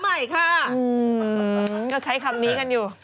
อื้อมันก็ใช้คำนี้กันอยู่